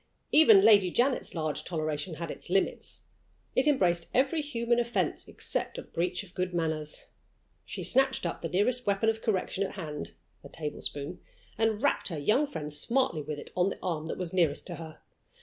Even Lady Janet's large toleration had its limits. It embraced every human offense except a breach of good manners. She snatched up the nearest weapon of correction at hand a tablespoon and rapped her young friend smartly with it on the arm that was nearest to her.